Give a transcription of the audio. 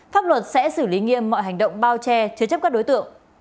pháp luật sẽ xử lý nghiêm mọi hành động bao che chứa chấp các đối tượng